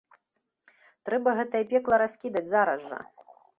Трэба гэтае пекла раскідаць зараз жа.